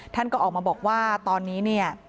ท่านก็ออกมาบอกว่าตอนนี้